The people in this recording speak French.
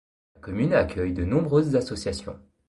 La commune accueille de nombreuses associations.